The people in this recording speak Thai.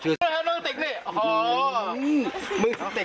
ชื่อเสียและกลิ่นตัว